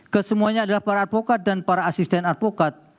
kesemuanya adalah para advokat dan para asisten advokat